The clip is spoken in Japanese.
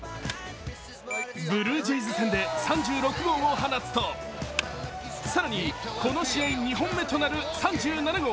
ブルージェイズ戦で３６号を放つと、更にこの試合２本目となる３７号。